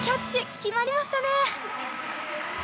決まりましたね。